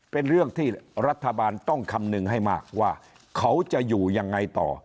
เป็นเรื่องที่รัฐบาลต้องคำนึงให้มากว่าเขาจะอยู่ยังไงต่อ